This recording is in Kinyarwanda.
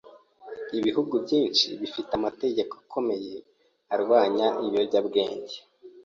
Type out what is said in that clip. Ibihugu byinshi bifite amategeko akomeye arwanya ibiyobyabwenge.